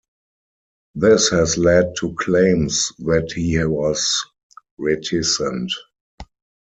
This has led to claims that he was reticent.